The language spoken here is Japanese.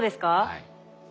はい。